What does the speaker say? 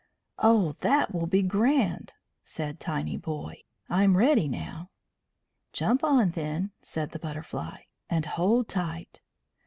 "Oh, that will be grand," said Tinyboy. "I'm ready now." "Jump on, then," said the Butterfly, "and hold tight."